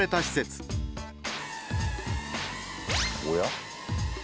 おや？